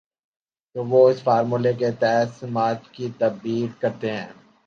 تو وہ اس فارمولے کے تحت سماج کی تعبیر کرتے ہیں۔